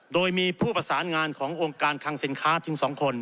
โดยมีผู้ประสานงานขององค์การคังสินค้าถึง๒คน